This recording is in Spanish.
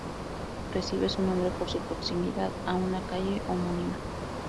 Recibe su nombre por su proximidad a una calle homónima.